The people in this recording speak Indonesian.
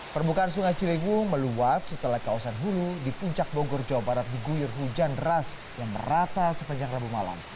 permukaan sungai ciliwung meluap setelah kawasan hulu di puncak bogor jawa barat diguyur hujan deras yang merata sepanjang rabu malam